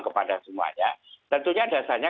kepada semuanya tentunya dasarnya